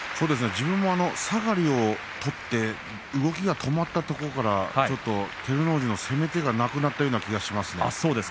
自分もさがりを取って動きが止まったところからちょっと照ノ富士の攻め手がなくなったような気がしました。